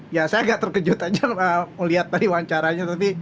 ya saya agak terkejut aja melihat tadi wawancaranya nanti